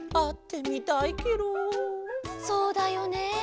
そうだよね。